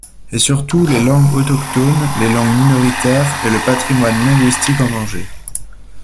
Et surtout les langues autochtones, les langues minoritaires et le patrimoine linguistique en danger.